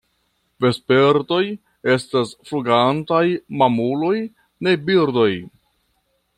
Vespertoj estas flugantaj mamuloj, ne birdoj.